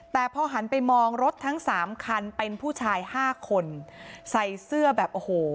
แต่พอหันไปมองรถทั้งสามคันเป็นผู้ชายห้าคนใส่เสื้อแบบโอ้โห